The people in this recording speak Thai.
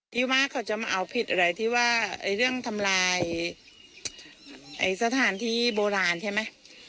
ที่ว่าเขาจะมาเอาผิดอะไรที่ว่าเรื่องทำลายสถานที่โบราณใช่ไหม